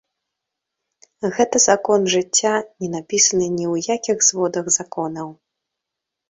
Гэта закон жыцця, не напісаны ні ў якіх зводах законаў.